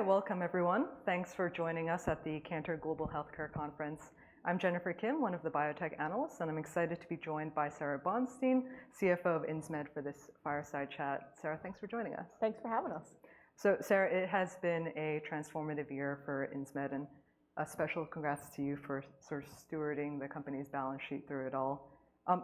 Hey, welcome, everyone. Thanks for joining us at the Cantor Global Healthcare Conference. I'm Jennifer Kim, one of the biotech analysts, and I'm excited to be joined by Sara Bonstein, CFO of Insmed, for this fireside chat. Sara, thanks for joining us. Thanks for having us. Sara, it has been a transformative year for Insmed, and a special congrats to you for sort of stewarding the company's balance sheet through it all.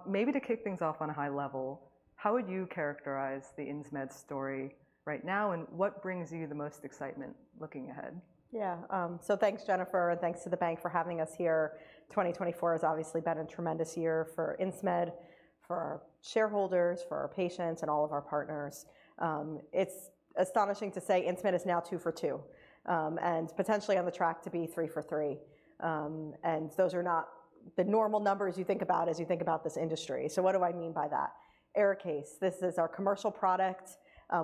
Maybe to kick things off on a high level, how would you characterize the Insmed story right now, and what brings you the most excitement looking ahead? Yeah. So thanks, Jennifer, and thanks to the bank for having us here. 2024 has obviously been a tremendous year for Insmed, for our shareholders, for our patients, and all of our partners. It's astonishing to say Insmed is now two for two, and potentially on the track to be three for three. And those are not the normal numbers you think about as you think about this industry. So what do I mean by that? Arikayce, this is our commercial product.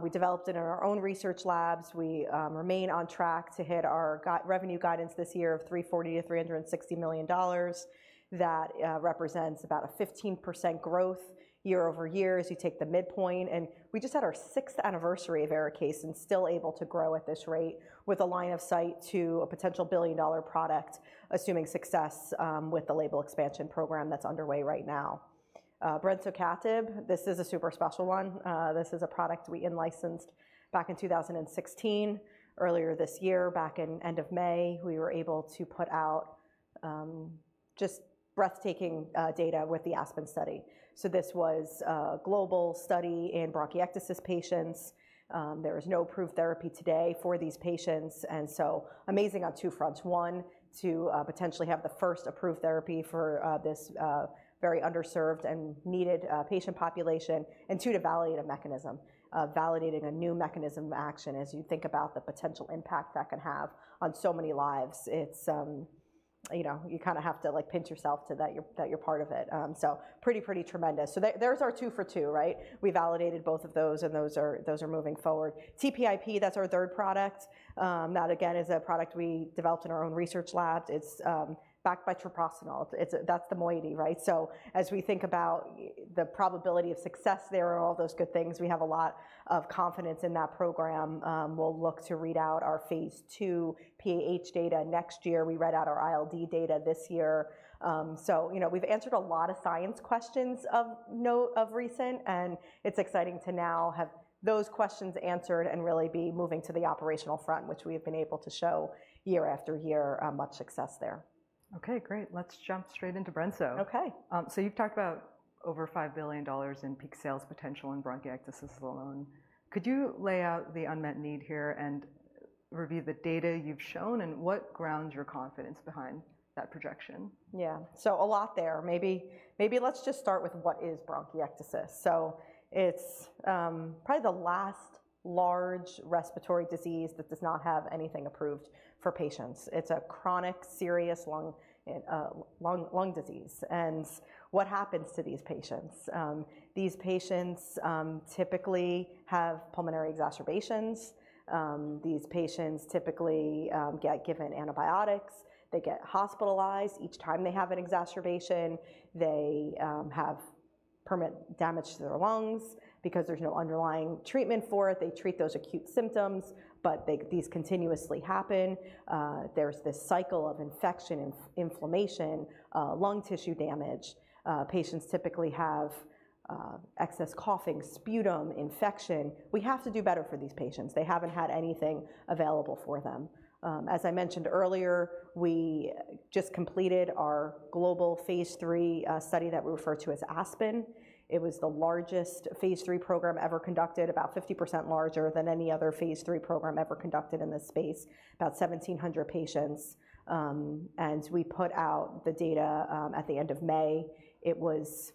We developed it in our own research labs. We remain on track to hit our revenue guidance this year of $340-$360 million. That represents about a 15% growth year over year as you take the midpoint, and we just had our sixth anniversary of Arikayce, and still able to grow at this rate with a line of sight to a potential billion-dollar product, assuming success, with the label expansion program that's underway right now. Brensocatib, this is a super special one. This is a product we in-licensed back in 2016. Earlier this year, back in end of May, we were able to put out just breathtaking data with the ASPEN study. So this was a global study in bronchiectasis patients. There is no approved therapy today for these patients, and so amazing on two fronts: one, to potentially have the first approved therapy for this very underserved and needed patient population, and two, to validate a mechanism. Validating a new mechanism of action as you think about the potential impact that can have on so many lives, it's. You know, you kind of have to, like, pinch yourself that you're part of it. So pretty tremendous. So there's our two for two, right? We validated both of those, and those are moving forward. TPIP, that's our third product. That again is a product we developed in our own research labs. It's backed by treprostinil. It's that's the moiety, right? So as we think about the probability of success there and all those good things, we have a lot of confidence in that program. We'll look to read out our phase II PAH data next year. We read out our ILD data this year. So, you know, we've answered a lot of science questions of recent, and it's exciting to now have those questions answered and really be moving to the operational front, which we have been able to show year after year, much success there. Okay, great. Let's jump straight into brenso. Okay. So you've talked about over $5 billion in peak sales potential in bronchiectasis alone. Could you lay out the unmet need here and review the data you've shown, and what grounds your confidence behind that projection? Yeah. So a lot there. Maybe let's just start with what is bronchiectasis? So it's probably the last large respiratory disease that does not have anything approved for patients. It's a chronic, serious lung disease, and what happens to these patients? These patients typically have pulmonary exacerbations. These patients typically get given antibiotics. They get hospitalized each time they have an exacerbation. They have permanent damage to their lungs. Because there's no underlying treatment for it, they treat those acute symptoms, but these continuously happen. There's this cycle of infection and inflammation, lung tissue damage. Patients typically have excess coughing, sputum, infection. We have to do better for these patients. They haven't had anything available for them. As I mentioned earlier, we just completed our global phase III study that we refer to as ASPEN. It was the largest phase III program ever conducted, about 50% larger than any other phase III program ever conducted in this space, about 1,700 patients. And we put out the data at the end of May. It was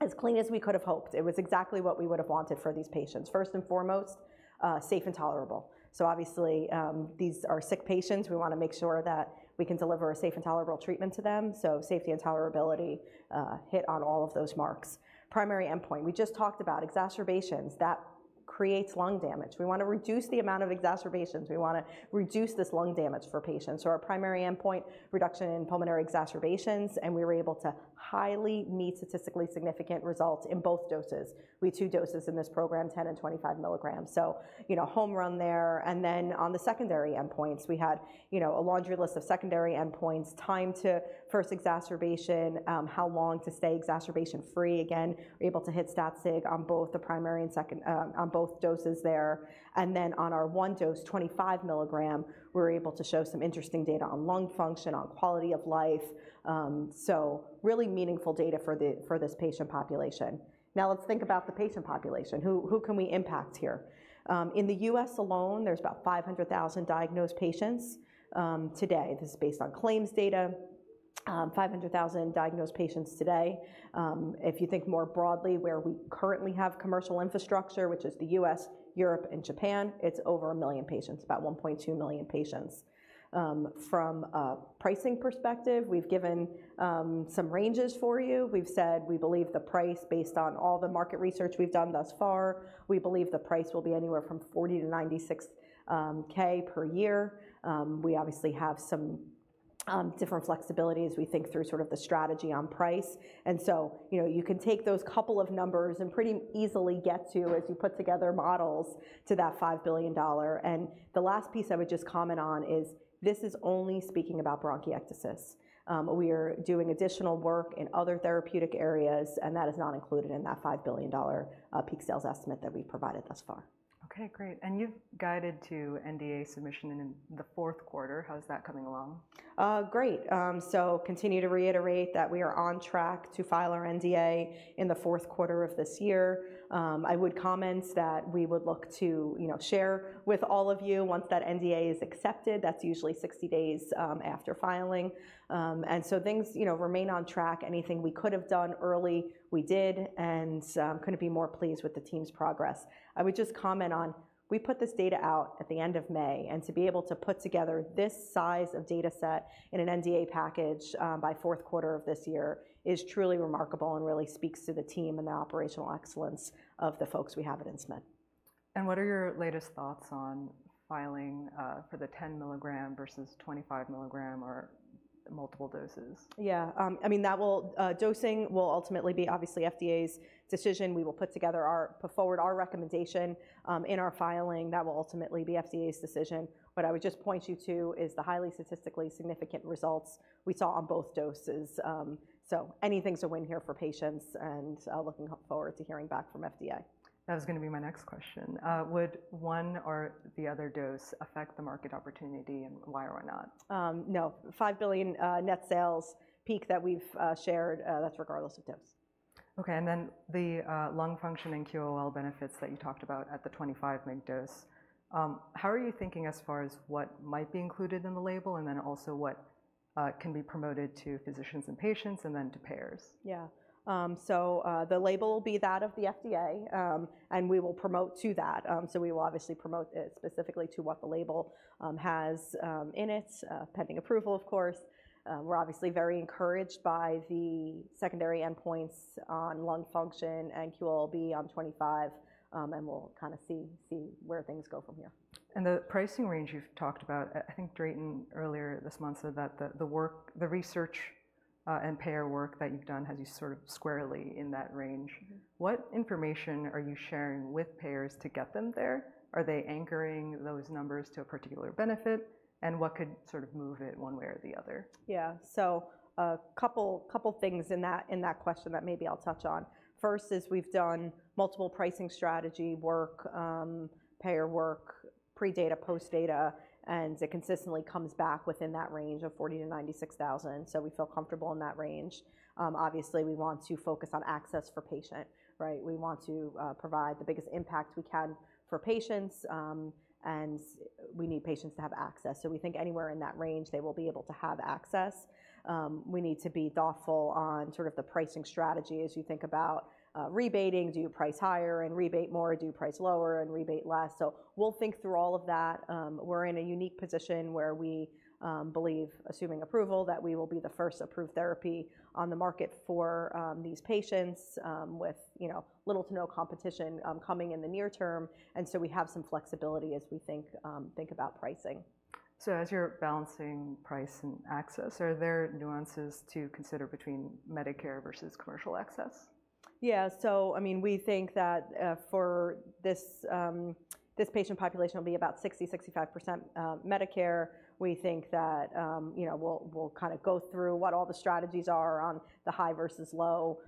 as clean as we could have hoped. It was exactly what we would have wanted for these patients. First and foremost, safe and tolerable. So obviously, these are sick patients. We wanna make sure that we can deliver a safe and tolerable treatment to them, so safety and tolerability hit on all of those marks. Primary endpoint, we just talked about exacerbations. That creates lung damage. We wanna reduce the amount of exacerbations. We wanna reduce this lung damage for patients. So our primary endpoint, reduction in pulmonary exacerbations, and we were able to highly meet statistically significant results in both doses. We had two doses in this program, 10 and 25 mg. So, you know, home run there, and then on the secondary endpoints, we had, you know, a laundry list of secondary endpoints, time to first exacerbation, how long to stay exacerbation-free. Again, we're able to hit stat sig on both the primary and second, on both doses there, and then on our one dose, 25 mg, we were able to show some interesting data on lung function, on quality of life. So really meaningful data for this patient population. Now, let's think about the patient population. Who can we impact here? In the U.S. alone, there's about 500,000 diagnosed patients, today. This is based on claims data, 500,000 diagnosed patients today. If you think more broadly, where we currently have commercial infrastructure, which is the U.S., Europe, and Japan, it's over 1 million patients, about 1.2 million patients. From a pricing perspective, we've given some ranges for you. We've said we believe the price, based on all the market research we've done thus far, we believe the price will be anywhere from $40,000-$96,000 per year. We obviously have some different flexibility as we think through sort of the strategy on price, and so, you know, you can take those couple of numbers and pretty easily get to, as you put together models, to that $5 billion, and the last piece I would just comment on is, this is only speaking about bronchiectasis. We are doing additional work in other therapeutic areas, and that is not included in that $5 billion peak sales estimate that we've provided thus far. Okay, great. And you've guided to NDA submission in the fourth quarter. How is that coming along? Great! So continue to reiterate that we are on track to file our NDA in the fourth quarter of this year. I would comment that we would look to, you know, share with all of you once that NDA is accepted. That's usually 60 days after filing, and so things, you know, remain on track. Anything we could have done early, we did, and couldn't be more pleased with the team's progress. I would just comment on, we put this data out at the end of May, and to be able to put together this size of data set in an NDA package by fourth quarter of this year is truly remarkable and really speaks to the team and the operational excellence of the folks we have at Insmed. What are your latest thoughts on filing for the 10 mg versus 25 mg or multiple doses? Yeah. I mean, dosing will ultimately be obviously FDA's decision. We will put forward our recommendation in our filing. That will ultimately be FDA's decision. What I would just point you to is the highly statistically significant results we saw on both doses. So anything's a win here for patients, and looking forward to hearing back from FDA. That was gonna be my next question. Would one or the other dose affect the market opportunity, and why or why not? No. $5 billion net sales peak that we've shared, that's regardless of dose. Okay, and then the lung function and QOL benefits that you talked about at the 25 mg dose, how are you thinking as far as what might be included in the label, and then also what can be promoted to physicians and patients, and then to payers? Yeah. The label will be that of the FDA, and we will promote to that. We will obviously promote it specifically to what the label has in it, pending approval, of course. We're obviously very encouraged by the secondary endpoints on lung function and QOL-B on 25, and we'll kind of see where things go from here. And the pricing range you've talked about, I think Drayton earlier this month said that the work, the research, and payer work that you've done has you sort of squarely in that range. Mm-hmm. What information are you sharing with payers to get them there? Are they anchoring those numbers to a particular benefit, and what could sort of move it one way or the other? Yeah. So, a couple things in that question that maybe I'll touch on. First is we've done multiple pricing strategy work, payer work, pre-data, post-data, and it consistently comes back within that range of $40,000-$96,000, so we feel comfortable in that range. Obviously, we want to focus on access for patient, right? We want to provide the biggest impact we can for patients, and we need patients to have access. So we think anywhere in that range, they will be able to have access. We need to be thoughtful on sort of the pricing strategy as you think about rebating. Do you price higher and rebate more? Do you price lower and rebate less? So we'll think through all of that. We're in a unique position where we believe, assuming approval, that we will be the first approved therapy on the market for these patients with, you know, little to no competition coming in the near term, and so we have some flexibility as we think about pricing. So as you're balancing price and access, are there nuances to consider between Medicare versus commercial access? Yeah. So, I mean, we think that for this patient population will be about 60-65% Medicare. We think that, you know, we'll kind of go through what all the strategies are on the high versus low.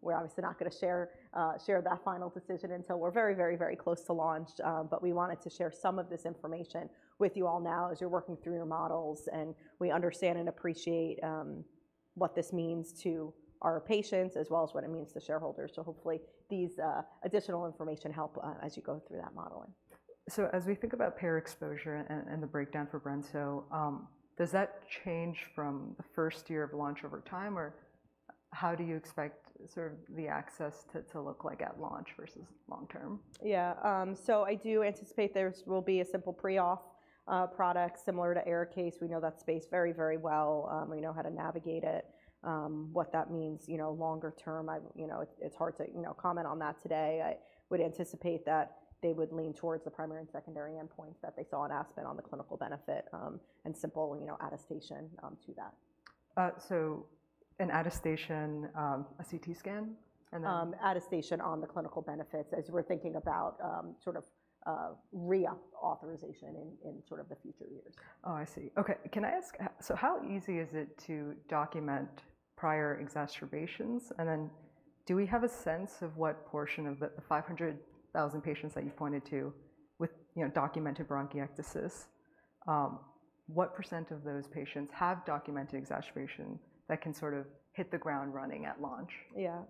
We're obviously not gonna share that final decision until we're very, very, very close to launch. But we wanted to share some of this information with you all now, as you're working through your models, and we understand and appreciate what this means to our patients, as well as what it means to shareholders. So hopefully, these additional information help as you go through that modeling. As we think about payer exposure and the breakdown for brensocatib, does that change from the first year of launch over time, or how do you expect sort of the access to look like at launch versus long term? Yeah, so I do anticipate there will be a simple pre-auth product, similar to Arikayce. We know that space very, very well. We know how to navigate it. What that means, you know, longer term, I... You know, it's hard to, you know, comment on that today. I would anticipate that they would lean towards the primary and secondary endpoints that they saw in Aspen on the clinical benefit, and simple, you know, attestation to that. So an attestation, a CT scan? And then- Attestation on the clinical benefits, as we're thinking about, sort of, reauthorization in sort of the future years. Oh, I see. Okay, can I ask, so how easy is it to document prior exacerbations? And then, do we have a sense of what portion of the 500,000 patients that you pointed to with, you know, documented bronchiectasis, what % of those patients have documented exacerbation that can sort of hit the ground running at launch? Yeah,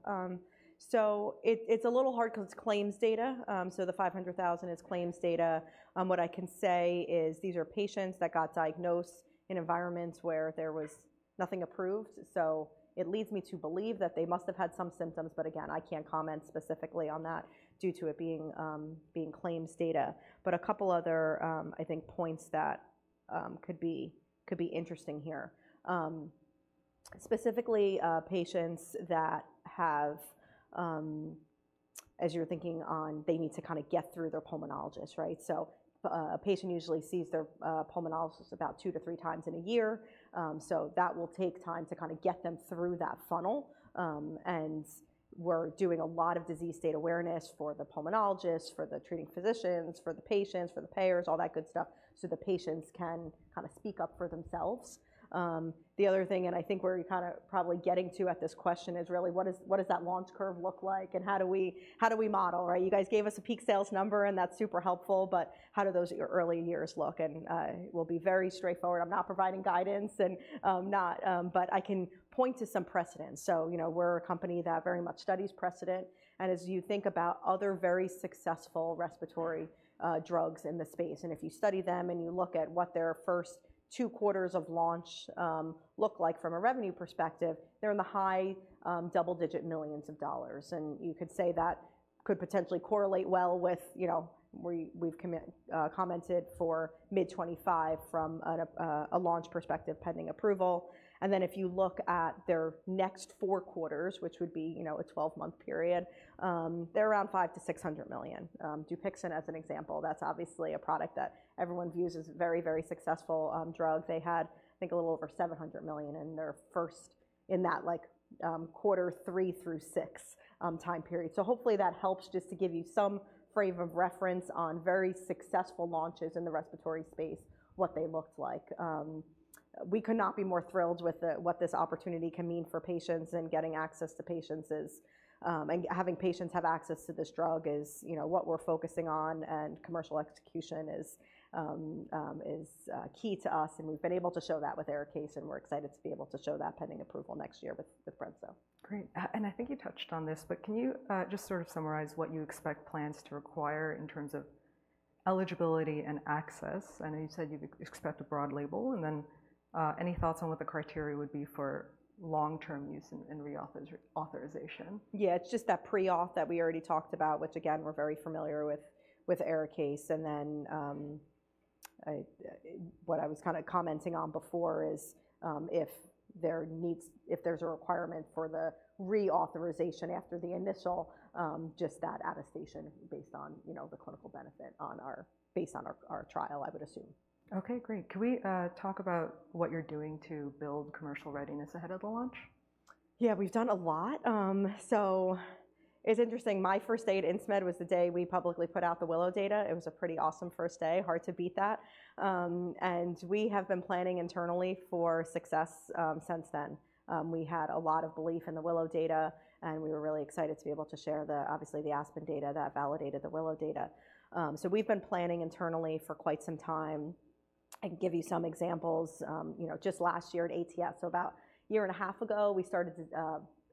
so it's a little hard because it's claims data. So the 500,000 is claims data. What I can say is these are patients that got diagnosed in environments where there was nothing approved. So it leads me to believe that they must have had some symptoms, but again, I can't comment specifically on that due to it being claims data. But a couple other, I think, points that could be interesting here. Specifically, patients that have, as you're thinking on, they need to kind of get through their pulmonologist, right? So a patient usually sees their pulmonologist about two to three times in a year. So that will take time to kind of get them through that funnel. And we're doing a lot of disease state awareness for the pulmonologist, for the treating physicians, for the patients, for the payers, all that good stuff, so the patients can kind of speak up for themselves. The other thing, and I think where you're kind of probably getting to at this question, is really what does that launch curve look like, and how do we model, right? You guys gave us a peak sales number, and that's super helpful, but how do those early years look? And, we'll be very straightforward. I'm not providing guidance, but I can point to some precedents. You know, we're a company that very much studies precedent, and as you think about other very successful respiratory drugs in the space, and if you study them and you look at what their first two quarters of launch look like from a revenue perspective, they're in the high double-digit millions of dollars. And you could say that could potentially correlate well with, you know, we've commented for mid-2025 from a launch perspective, pending approval. And then if you look at their next four quarters, which would be, you know, a 12 month period, they're around $500 million-600 million. Dupixent, as an example, that's obviously a product that everyone views as a very, very successful drug. They had, I think, a little over $700 million in their first... In that like quarter three through six time period. So hopefully that helps, just to give you some frame of reference on very successful launches in the respiratory space, what they looked like. We could not be more thrilled with what this opportunity can mean for patients and getting access to patients is. And having patients have access to this drug is, you know, what we're focusing on, and commercial execution is key to us, and we've been able to show that with Arikayce, and we're excited to be able to show that pending approval next year with brensocatib. Great. And I think you touched on this, but can you just sort of summarize what you expect plans to require in terms of eligibility and access? I know you said you'd expect a broad label, and then any thoughts on what the criteria would be for long-term use and reauthorization? Yeah, it's just that pre-auth that we already talked about, which again, we're very familiar with, with Arikayce. And then, what I was kind of commenting on before is, if there's a requirement for the reauthorization after the initial, just that attestation based on, you know, the clinical benefit based on our trial, I would assume. Okay, great. Can we talk about what you're doing to build commercial readiness ahead of the launch? Yeah, we've done a lot, so it's interesting. My first day at Insmed was the day we publicly put out the WILLOW data. It was a pretty awesome first day. Hard to beat that, and we have been planning internally for success since then. We had a lot of belief in the WILLOW data, and we were really excited to be able to share the, obviously, the ASPEN data that validated the WILLOW data. So we've been planning internally for quite some time. I can give you some examples. You know, just last year at ATS, so about a year and a half ago, we started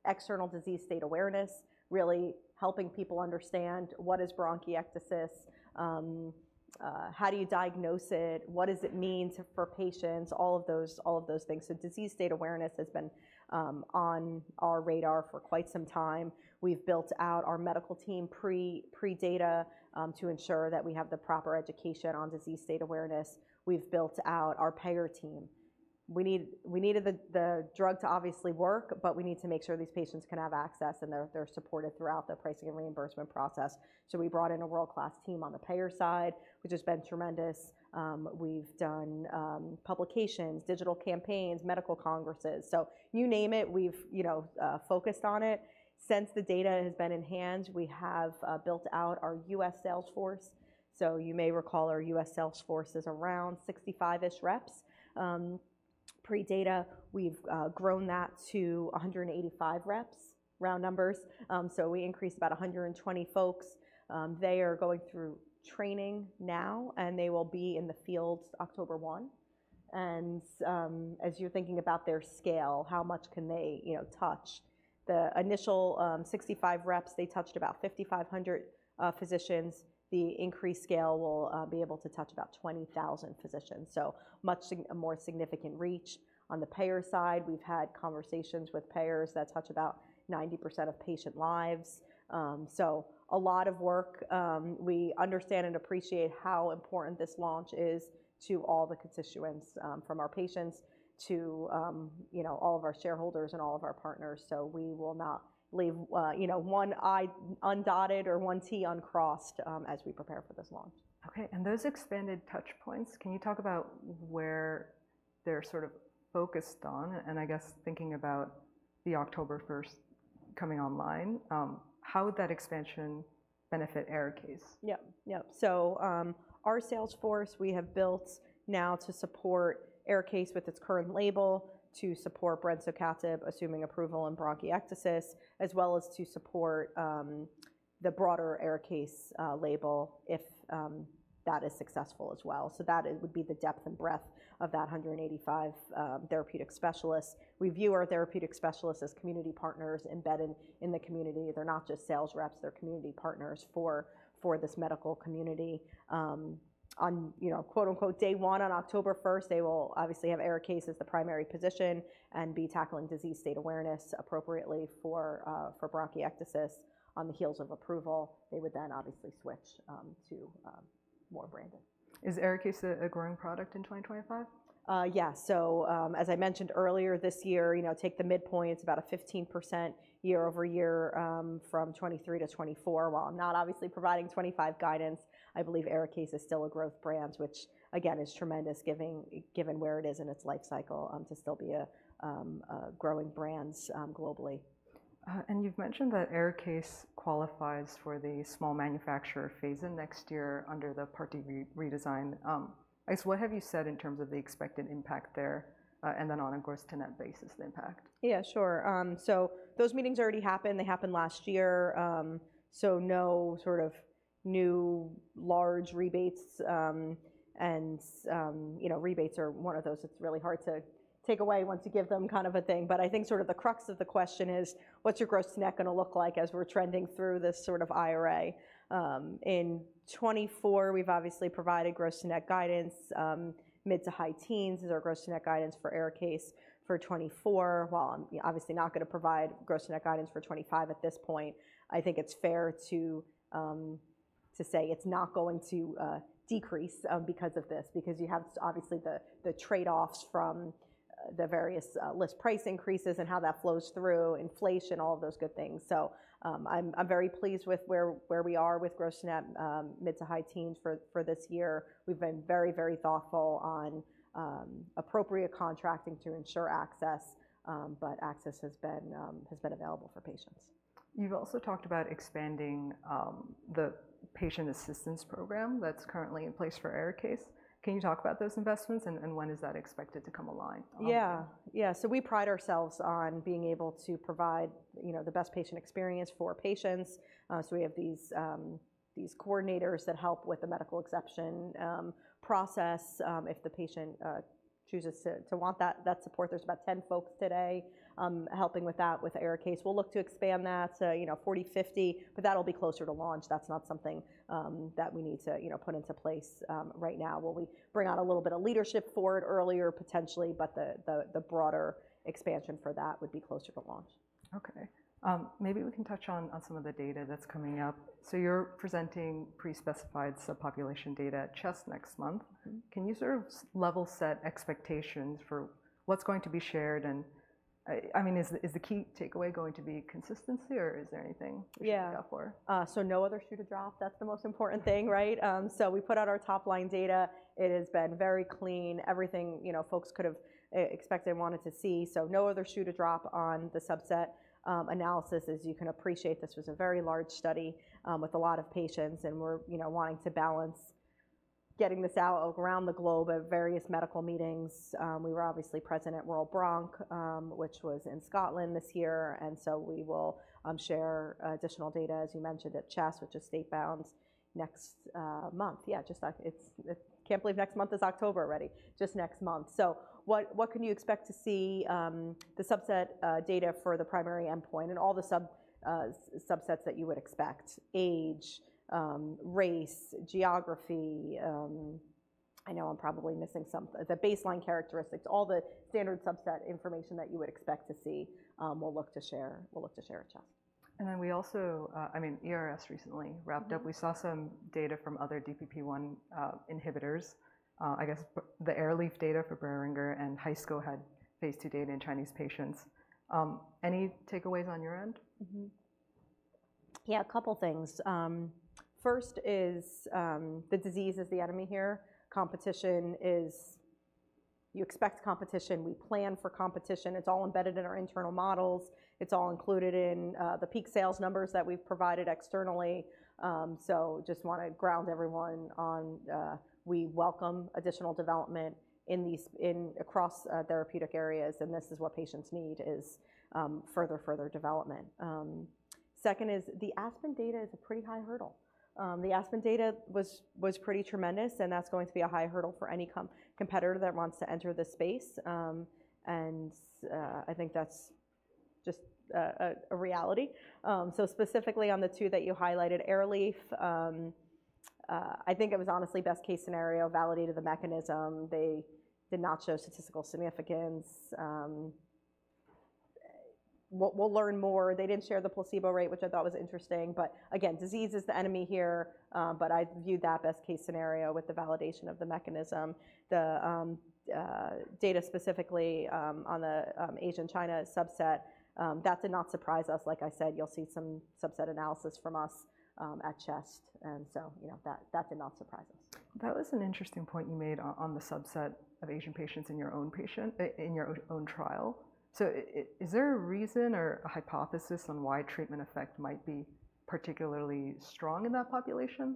external disease state awareness, really helping people understand what is bronchiectasis, how do you diagnose it? What does it mean for patients? All of those, all of those things. Disease state awareness has been on our radar for quite some time. We've built out our medical team pre-data to ensure that we have the proper education on disease state awareness. We've built out our payer team. We needed the drug to obviously work, but we need to make sure these patients can have access, and they're supported throughout the pricing and reimbursement process. So we brought in a world-class team on the payer side, which has been tremendous. We've done publications, digital campaigns, medical congresses. So you name it, we've you know focused on it. Since the data has been in hand, we have built out our U.S. sales force. So you may recall our U.S. sales force is around 65-ish reps. Pre-data, we've grown that to a 185 reps, round numbers. So we increased about 120 folks. They are going through training now, and they will be in the field October 1. And as you're thinking about their scale, how much can they, you know, touch? The initial 65 reps, they touched about 5,500 physicians. The increased scale will be able to touch about 20,000 physicians, so a more significant reach. On the payer side, we've had conversations with payers that touch about 90% of patient lives. So a lot of work. We understand and appreciate how important this launch is to all the constituents, from our patients to, you know, all of our shareholders and all of our partners. So we will not leave, you know, one I undotted or one T uncrossed, as we prepare for this launch. Okay, and those expanded touch points, can you talk about where they're sort of focused on? And I guess thinking about the October 1st coming online, how would that expansion benefit Arikayce? Yep. Yep. So, our sales force, we have built now to support Arikayce with its current label, to support brensocatib, assuming approval in bronchiectasis, as well as to support the broader Arikayce label, if that is successful as well. So that it would be the depth and breadth of that 185 therapeutic specialists. We view our therapeutic specialists as community partners embedded in the community. They're not just sales reps, they're community partners for this medical community. On, you know, quote-unquote, "day one," on October 1st, they will obviously have Arikayce as the primary position and be tackling disease state awareness appropriately for bronchiectasis. On the heels of approval, they would then obviously switch to more branding. Is Arikayce a growing product in 2025? Yeah. So, as I mentioned earlier, this year, you know, take the midpoint, it's about a 15% year over year, from 2023 to 2024. While I'm not obviously providing 2025 guidance, I believe Arikayce is still a growth brand, which again, is tremendous, given where it is in its life cycle, to still be a growing brand, globally.... and you've mentioned that Arikayce qualifies for the small manufacturer phase-in next year under the Part D redesign. I guess, what have you said in terms of the expected impact there, and then, of course, on a net basis, the impact? Yeah, sure. So those meetings already happened. They happened last year. So no sort of new large rebates, and, you know, rebates are one of those it's really hard to take away once you give them kind of a thing. But I think sort of the crux of the question is, what's your gross to net gonna look like as we're trending through this sort of IRA? In 2024, we've obviously provided gross to net guidance, mid to high teens is our gross to net guidance for Arikayce for 2024. Well, I'm obviously not gonna provide gross to net guidance for 2025 at this point. I think it's fair to say it's not going to decrease, because of this, because you have obviously the trade-offs from the various list price increases and how that flows through inflation, all of those good things. So, I'm very pleased with where we are with gross net, mid to high teens for this year. We've been very, very thoughtful on appropriate contracting to ensure access, but access has been available for patients. You've also talked about expanding the patient assistance program that's currently in place for Arikayce. Can you talk about those investments, and when is that expected to come online? Yeah. Yeah. So we pride ourselves on being able to provide, you know, the best patient experience for patients. So we have these coordinators that help with the medical exception process, if the patient chooses to want that support. There's about 10folks today, helping with that with Arikayce. We'll look to expand that to, you know, forty, fifty, but that'll be closer to launch. That's not something that we need to, you know, put into place right now. Will we bring on a little bit of leadership for it earlier, potentially, but the broader expansion for that would be closer to launch. Okay. Maybe we can touch on some of the data that's coming up. So you're presenting pre-specified subpopulation data at CHEST next month. Mm-hmm. Can you sort of level set expectations for what's going to be shared? And I mean, is the key takeaway going to be consistency, or is there anything- Yeah. We should look out for? So no other shoe to drop. That's the most important thing, right? So we put out our top-line data. It has been very clean. Everything, you know, folks could have expected and wanted to see, so no other shoe to drop on the subset analysis, as you can appreciate. This was a very large study with a lot of patients, and we're, you know, wanting to balance getting this out around the globe at various medical meetings. We were obviously present at World Bronch, which was in Scotland this year, and so we will share additional data, as you mentioned, at CHEST, which is stateside next month. Yeah, just like it's... I can't believe next month is October already, just next month. So what can you expect to see, the subset data for the primary endpoint and all the subsets that you would expect? Age, race, geography, I know I'm probably missing some, the baseline characteristics, all the standard subset information that you would expect to see, we'll look to share at CHEST. And then we also, I mean, ERS recently wrapped up. Mm-hmm. We saw some data from other DPP-1 inhibitors. I guess the AIRLEAF data for Boehringer and Haisco had phase II data in Chinese patients. Any takeaways on your end? Mm-hmm. Yeah, a couple things. First is, the disease is the enemy here. Competition is. You expect competition. We plan for competition. It's all embedded in our internal models. It's all included in, the peak sales numbers that we've provided externally. So just wanna ground everyone on, we welcome additional development in these. In across, therapeutic areas, and this is what patients need, is, further, further development. Second is the Aspen data is a pretty high hurdle. The Aspen data was pretty tremendous, and that's going to be a high hurdle for any competitor that wants to enter this space. And, I think that's just a reality. So specifically on the two that you highlighted, AIRLEAF, I think it was honestly best-case scenario, validated the mechanism. They did not show statistical significance. We'll learn more. They didn't share the placebo rate, which I thought was interesting, but again, disease is the enemy here, but I viewed that best-case scenario with the validation of the mechanism. The data specifically on the Asian China subset that did not surprise us. Like I said, you'll see some subset analysis from us at CHEST, and so, you know, that did not surprise us. That was an interesting point you made on the subset of Asian patients in your own trial. So is there a reason or a hypothesis on why treatment effect might be particularly strong in that population?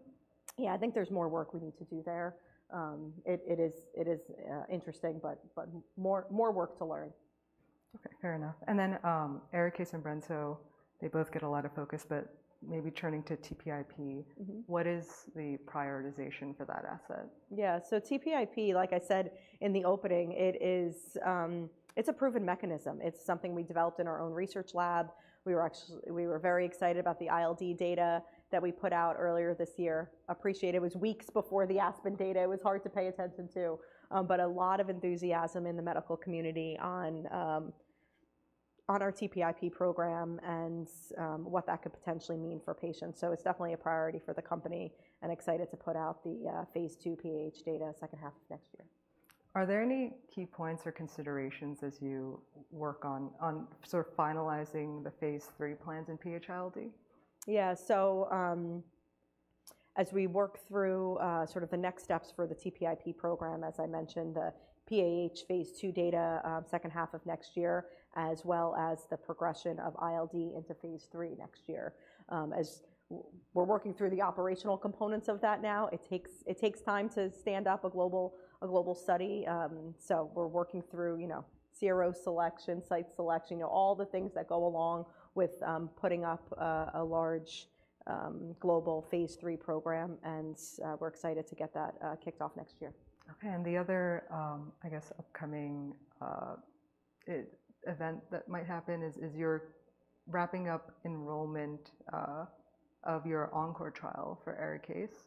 Yeah, I think there's more work we need to do there. It is interesting, but more work to learn. Okay, fair enough. And then, Arikayce and brenso, they both get a lot of focus, but maybe turning to TPIP- Mm-hmm. What is the prioritization for that asset? Yeah. So TPIP, like I said in the opening, it is, it's a proven mechanism. It's something we developed in our own research lab. We were actually very excited about the ILD data that we put out earlier this year. Appreciate it was weeks before the ASPEN data. It was hard to pay attention to, but a lot of enthusiasm in the medical community on, on our TPIP program and, what that could potentially mean for patients. So it's definitely a priority for the company and excited to put out the, phase II PH data second half of next year. Are there any key points or considerations as you work on sort of finalizing the phase III plans in PH-ILD? Yeah. So, as we work through, sort of the next steps for the TPIP program, as I mentioned, the PAH phase II data, second half of next year, as well as the progression of ILD into phase III next year. As we're working through the operational components of that now. It takes time to stand up a global study. So we're working through, you know, CRO selection, site selection, you know, all the things that go along with, putting up a large global phase III program, and we're excited to get that kicked off next year. Okay. And the other, I guess, upcoming event that might happen is you're wrapping up enrollment of your ENCORE trial for Arikayce.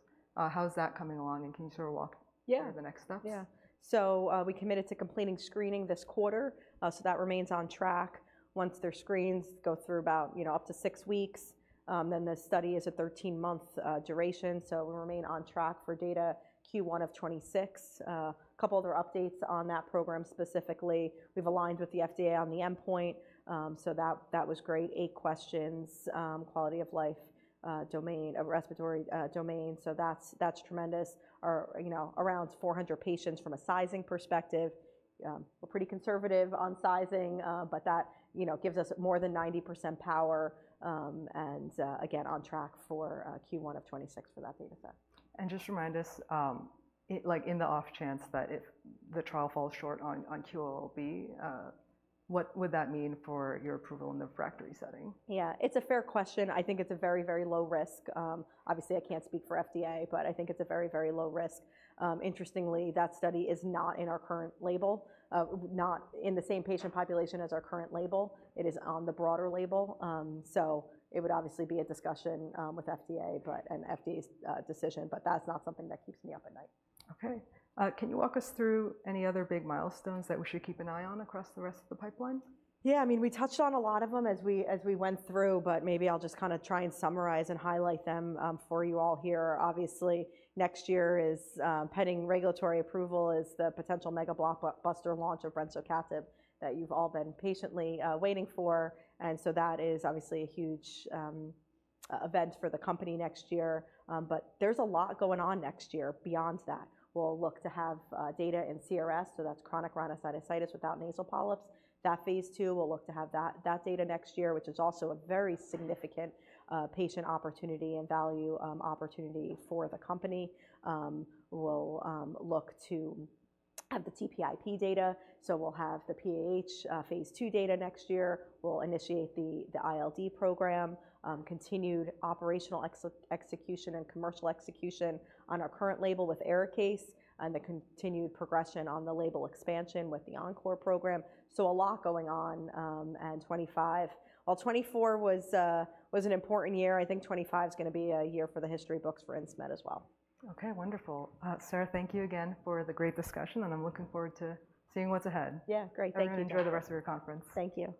How's that coming along, and can you sort of walk- Yeah. - through the next steps? Yeah. So, we committed to completing screening this quarter, so that remains on track. Once their screens go through about, you know, up to six weeks, then the study is a 13-month duration, so we remain on track for data Q1 of 2026. A couple other updates on that program specifically, we've aligned with the FDA on the endpoint, so that, that was great. Eight questions, quality of life domain, a respiratory domain, so that's, that's tremendous. Or, you know, around 400 patients from a sizing perspective. We're pretty conservative on sizing, but that, you know, gives us more than 90% power, and, again, on track for Q1 of 2026 for that data set. Just remind us, like, in the off chance that if the trial falls short on QOL-B, what would that mean for your approval in the refractory setting? Yeah, it's a fair question. I think it's a very, very low risk. Obviously, I can't speak for FDA, but I think it's a very, very low risk. Interestingly, that study is not in our current label, not in the same patient population as our current label. It is on the broader label. So it would obviously be a discussion with FDA, but... and FDA's decision, but that's not something that keeps me up at night. Okay. Can you walk us through any other big milestones that we should keep an eye on across the rest of the pipeline? Yeah, I mean, we touched on a lot of them as we went through, but maybe I'll just kinda try and summarize and highlight them for you all here. Obviously, next year is, pending regulatory approval, the potential mega blockbuster launch of brensocatib that you've all been patiently waiting for, and so that is obviously a huge event for the company next year. But there's a lot going on next year beyond that. We'll look to have data in CRS, so that's chronic rhinosinusitis without nasal polyps. That phase II, we'll look to have that data next year, which is also a very significant patient opportunity and value opportunity for the company. We'll look to have the TPIP data, so we'll have the PAH phase II data next year. We'll initiate the ILD program, continued operational execution and commercial execution on our current label with Arikayce, and the continued progression on the label expansion with the ENCORE program. So a lot going on in 2025. While 2024 was an important year, I think 2025 is gonna be a year for the history books for Insmed as well. Okay, wonderful. Sara, thank you again for the great discussion, and I'm looking forward to seeing what's ahead. Yeah, great. Thank you. Enjoy the rest of your conference. Thank you.